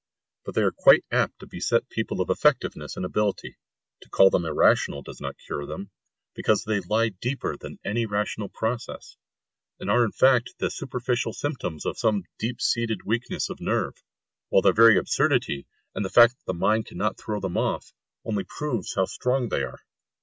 But they are quite apt to beset people of effectiveness and ability. To call them irrational does not cure them, because they lie deeper than any rational process, and are in fact the superficial symptoms of some deep seated weakness of nerve, while their very absurdity, and the fact that the mind cannot throw them off, only proves how strong they are.